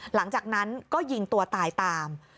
หลังจากนั้นก็ยิงตัวตายตาม